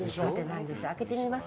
あけてみます。